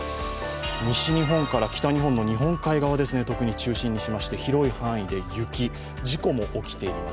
西日本から北日本の日本海側を特に中心にしまして、広い範囲で雪、事故も起きています